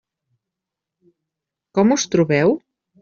Com us trobeu?